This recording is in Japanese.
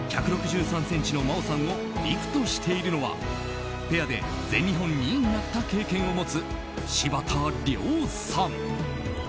１６３ｃｍの真央さんをリフトしているのはペアで全日本２位になった経験を持つ柴田嶺さん。